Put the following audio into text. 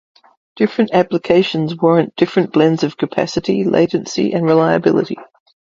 Different applications warrant different blends of capacity, latency, and reliability.